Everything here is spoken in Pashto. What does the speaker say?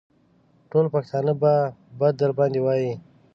ټول پښتانه به بد در باندې وايي.